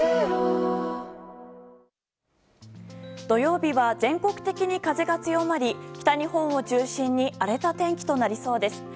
土曜日は全国的に風が強まり北日本を中心に荒れた天気となりそうです。